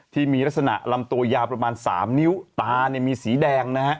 ที่มีลักษณะลำตัวยาวประมาณ๓นิ้วตามีสีแดงนะฮะ